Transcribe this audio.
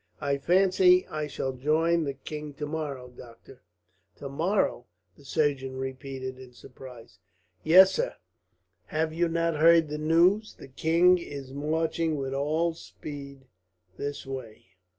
"I fancy I shall join the king tomorrow, doctor." "Tomorrow?" the surgeon repeated in surprise. "Yes, sir. Have you not heard the news? The king is marching with all speed this way.